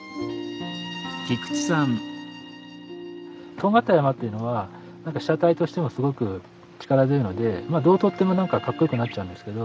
とんがった山っていうのは被写体としてもすごく力強いのでまあどう撮っても何かかっこよくなっちゃうんですけど。